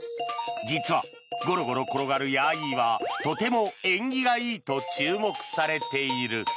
実は、ごろごろ転がるヤーイーはとても縁起がいいと注目されている。